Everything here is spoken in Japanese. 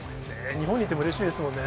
日本にいてもうれしいですもんね。